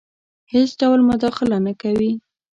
هیڅ ډول مداخله نه کوي.